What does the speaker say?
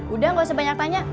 udah gak usah banyak tanya